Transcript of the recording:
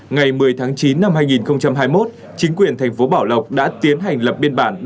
ngày một mươi tháng chín năm hai nghìn hai mươi một chính quyền thành phố bảo lộc đã tiến hành lập biên bản